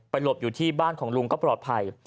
หลบอยู่ที่บ้านของลุงก็ปลอดภัย